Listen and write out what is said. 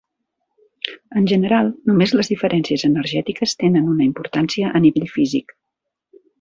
En general, només les diferències energètiques tenen una importància a nivell físic.